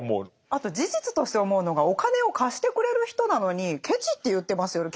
あと事実として思うのがお金を貸してくれる人なのにケチって言ってますよね？